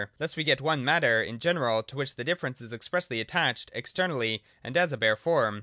Thus we get one Matter in general to which the difference is expressly attached externally and as a bare form.